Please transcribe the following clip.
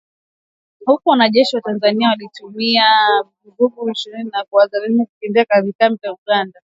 Huku wanajeshi wa Tanzania wakitumia roketi dhidi ya waasi hao wa Vuguvugu la Ishirini na tatu na kuwalazimu kukimbia kambi zao na kuingia Uganda na Rwanda